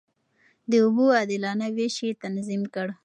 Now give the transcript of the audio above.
د اوبو عادلانه وېش يې تنظيم کړ.